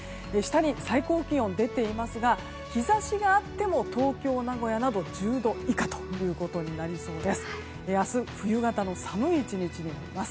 最高気温が出ていますが日差しがあっても東京、名古屋など１０度以下になりそうです。